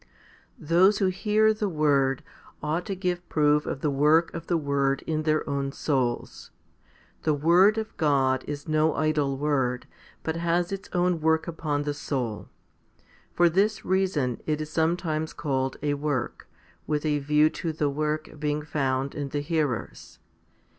1 . THOSE who hear the word ought to give proof of the work of the word in their own souls. The word of God is no idle word, but has its own work upon the soul. For this reason it is sometimes called a " work," with a view to the "work" being found in the hearers.